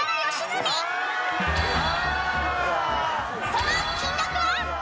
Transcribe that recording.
［その金額は？］